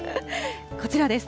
こちらです。